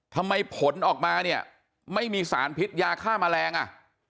ผลออกมาเนี่ยไม่มีสารพิษยาฆ่าแมลงอ่ะ